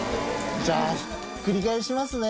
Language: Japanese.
じゃあひっくり返しますね。